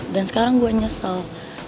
dan sekarang gue nyesel